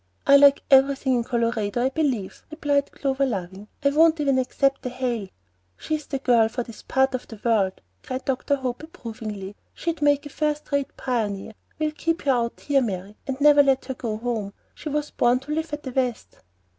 "I like everything in Colorado, I believe," replied Clover, laughing. "I won't even except the hail." "She's the girl for this part of the world," cried Dr. Hope, approvingly. "She'd make a first rate pioneer. We'll keep her out here, Mary, and never let her go home. She was born to live at the West."